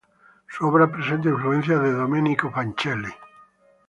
Su obra presenta influencias de Domenico Fancelli.